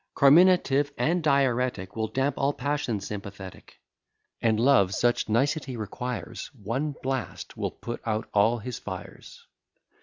Carminative and diuretic Will damp all passion sympathetic; And Love such nicety requires, One blast will put out all his fires.